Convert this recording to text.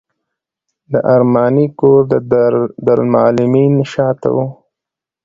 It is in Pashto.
د ارماني کور د دارالمعلمین شاته و.